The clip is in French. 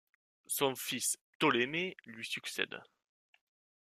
Son fils Ptolémée lui succède.